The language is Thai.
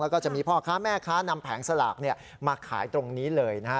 แล้วก็จะมีพ่อค้าแม่ค้านำแผงสลากมาขายตรงนี้เลยนะฮะ